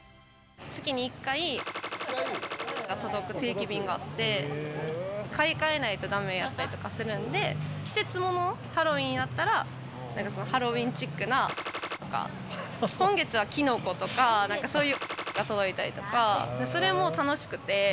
月に１回が届く定期便があって買い換えないとだめやったりするんで、季節物、ハロウィーンチックなとか、今月はキノコとか、そういうのが届いたりとか、それも楽しくて。